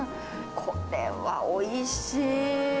これはおいしい。